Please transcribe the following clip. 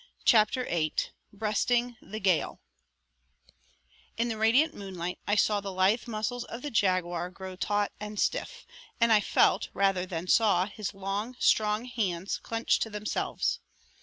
CHAPTER VIII BREASTING THE GALE In the radiant moonlight I saw the lithe muscles of the Jaguar grow taut and stiff, and I felt rather than saw his long, strong hands clench themselves.